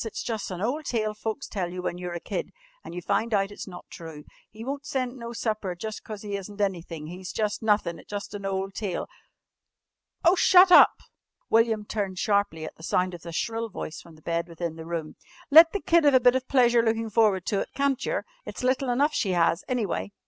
It's jus' an' ole tale folks tell you when you're a kid, an' you find out it's not true. He won't send no supper jus' cause he isn't anythin'. He's jus' nothin' jus' an ole tale " "Oh, shut up!" William turned sharply at the sound of the shrill voice from the bed within the room. "Let the kid 'ave a bit of pleasure lookin' forward to it, can't yer? It's little enough she 'as, anyway."